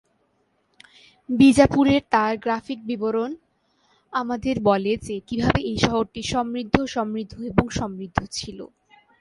বিজাপুরের তাঁর গ্রাফিক বিবরণ আমাদের বলে যে কীভাবে এই শহরটি সমৃদ্ধ, সমৃদ্ধ এবং সমৃদ্ধ ছিল।